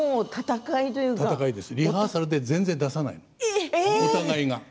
リハーサルで絶対出さないのお互いが。